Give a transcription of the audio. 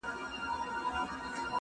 يا دي ښايي بله سترگه در ړنده كړي؛